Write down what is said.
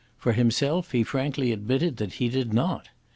For himself, he frankly admitted that he did not.